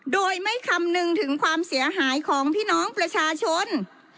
โดยไม่คำนึงถึงความเสียหายของพี่น้องประชาชน